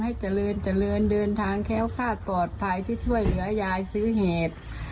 เจริญเจริญเดินทางแค้วคาดปลอดภัยที่ช่วยเหลือยายซื้อเหตุ